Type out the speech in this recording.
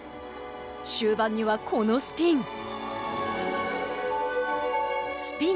終盤には、このスピン。